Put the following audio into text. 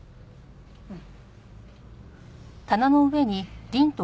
うん。